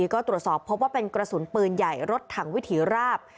ก็ตรวจสอบพบว่าเป็นกระสุนปืนใหญ่รถถังวิถีราบ